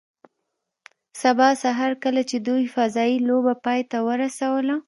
سبا سهار کله چې دوی فضايي لوبه پای ته ورسوله